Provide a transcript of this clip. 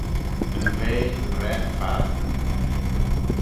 Yn vea dy bragh farraghtyn.